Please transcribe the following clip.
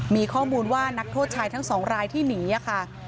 มีข้อมูลว่านักโทษชายทั้งสองรายที่หนีค่ะ